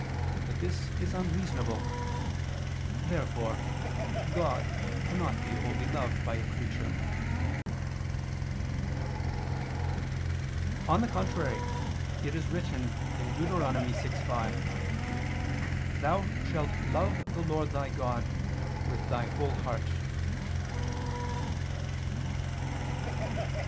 But this is unreasonable. Therefore God cannot be wholly loved by a creature. On the contrary, It is written (Deut. 6:5): "Thou shalt love the Lord thy God with thy whole heart."